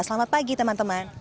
selamat pagi teman teman